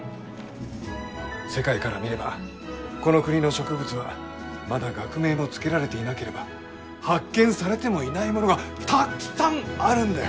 世界から見ればこの国の植物はまだ学名も付けられていなければ発見されてもいないものがたっくさんあるんだよ！